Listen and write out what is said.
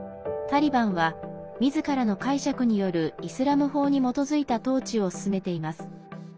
タリバンはみずからの解釈によるイスラム法に基づいた統治を進めています。